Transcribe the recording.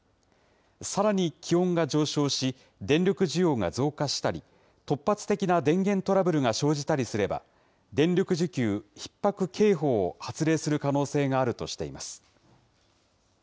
さらに気温が上昇し、電力需要が増加したり、突発的な電源トラブルが生じたりすれば、電力需給ひっ迫警報を発令する可能性があるとしています。